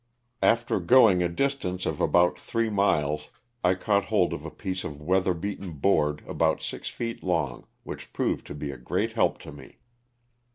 After going a distance of about three miles I caught hold of a piece of weather beaten board about six feet long which proved to be a great help to me.